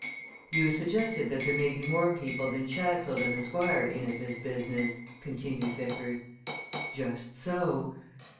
"You suggested that there may be more people than Chatfield and the Squire in at this business," continued Vickers. "Just so!